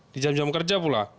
di jam jam kerja pula